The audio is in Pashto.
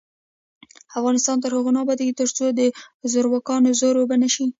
افغانستان تر هغو نه ابادیږي، ترڅو د زورواکانو زور اوبه نشي.